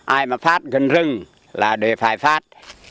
ai mà phát gần rừng là để phải phát